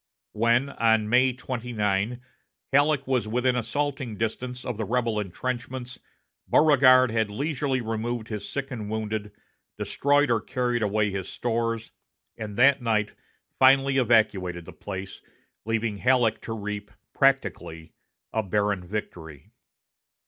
When, on May 29, Halleck was within assaulting distance of the rebel intrenchments Beauregard had leisurely removed his sick and wounded, destroyed or carried away his stores, and that night finally evacuated the place, leaving Halleck to reap, practically, a barren victory.